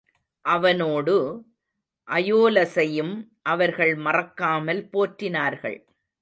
அவனோடு, அயோலஸையும் அவர்கள் மறக்காமல் போற்றினார்கள்.